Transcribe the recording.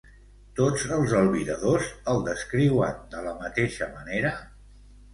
Tots els albiradors el descriuen de la mateixa manera?